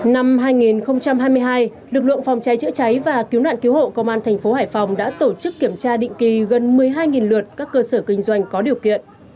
năm hai nghìn hai mươi hai lực lượng phòng cháy chữa cháy và cứu nạn cứu hộ công an thành phố hải phòng đã tổ chức kiểm tra định kỳ gần một mươi hai lượt các cơ sở kinh doanh có điều kiện